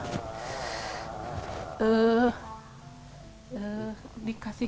hidup elis seolah olah berjalan dengan baik